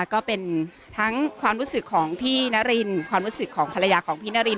ก็เป็นทั้งความรู้สึกของพี่นารินความรู้สึกของภรรยาของพี่นาริน